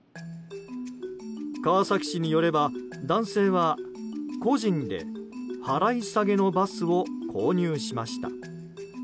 川崎市によれば、男性は個人で払い下げのバスを購入しました。